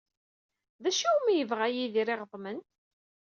D acu umi yebɣa Yidir iɣeḍmen?